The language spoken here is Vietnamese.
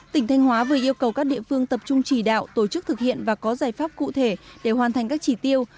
tỉnh thanh hóa vừa yêu cầu các địa phương tập trung chỉ đạo tổ chức thực hiện và có giải pháp cụ thể để hoàn thành các chỉ tiêu